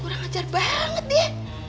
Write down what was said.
kurang ajar banget dia